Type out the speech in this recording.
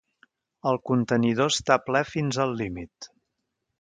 El contenidor està ple fins al límit.